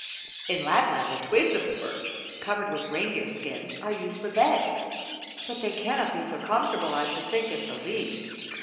"In Lapland the twigs of the birch, covered with reindeer skins, are used for beds, but they cannot be so comfortable, I should think, as the leaves.